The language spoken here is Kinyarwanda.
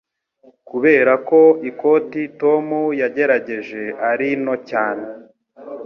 Kubera ko ikoti Tom yagerageje ari nto cyane